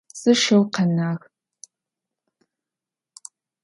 Zı şşıu khenağ.